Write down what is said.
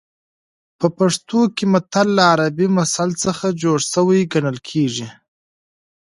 په پښتو کې متل له عربي مثل څخه جوړ شوی ګڼل کېږي